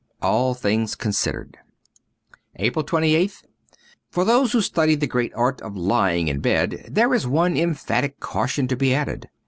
' All things Considered.'' 127 APRIL 28th FOR those who study the great art of lying in bed there is one emphatic caution to be added.